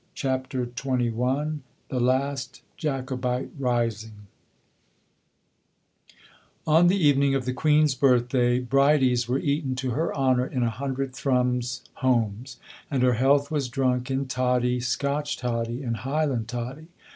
CHAPTER XXI THE LAST JACOBITE RISING On the evening of the Queen's birthday, bridies were eaten to her honor in a hundred Thrums homes, and her health was drunk in toddy, Scotch toddy and Highland toddy.